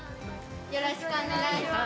よろしくお願いします。